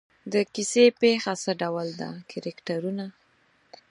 د کیسې پېښه څه ډول ده کرکټرونه.